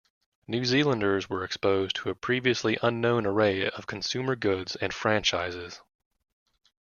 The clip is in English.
New Zealanders were exposed to a previously unknown array of consumer goods and franchises.